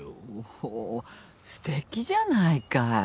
ほうすてきじゃないかい。